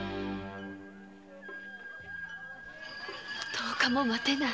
十日も待てない。